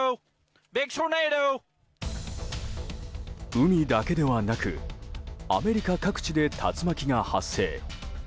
海だけではなくアメリカ各地で竜巻が発生。